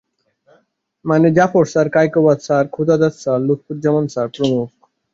মানে, Zafar sir, Kaykobad sir, Khodadad Khan sir, Lutfuzzaman sir প্রমুখ।